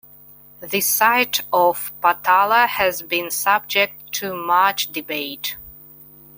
The site of Patala has been subject to much debate.